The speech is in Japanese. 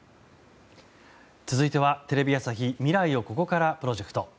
続いては、テレビ朝日未来をここからプロジェクト。